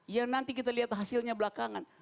ya nanti kita lihat hasilnya belakangan